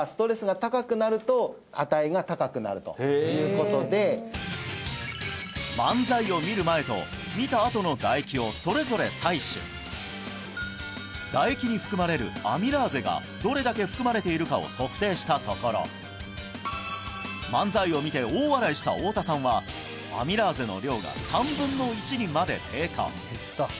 この酵素は漫才を見る前と見たあとの唾液をそれぞれ採取唾液に含まれるアミラーゼがどれだけ含まれているかを測定したところ漫才を見て大笑いした太田さんはアミラーゼの量が３分の１にまで低下